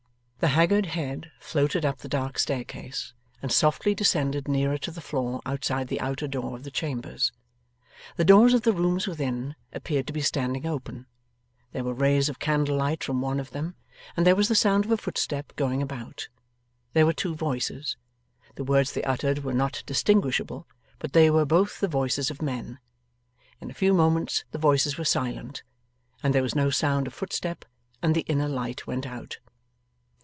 The haggard head floated up the dark staircase, and softly descended nearer to the floor outside the outer door of the chambers. The doors of the rooms within, appeared to be standing open. There were rays of candlelight from one of them, and there was the sound of a footstep going about. There were two voices. The words they uttered were not distinguishable, but they were both the voices of men. In a few moments the voices were silent, and there was no sound of footstep, and the inner light went out.